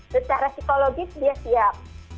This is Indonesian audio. secara psikologis dia siap